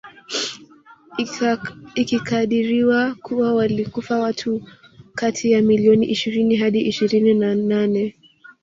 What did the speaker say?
Ikikadiriwa kuwa walikufa watu kati ya milioni ishirini hadi ishirini na nane